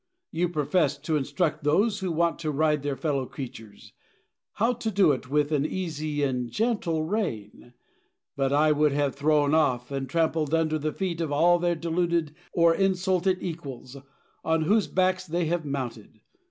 You profess to instruct those who want to ride their fellow creatures, how to do it with an easy and gentle rein; but I would have them thrown off, and trampled under the feet of all their deluded or insulted equals, on whose backs they have mounted.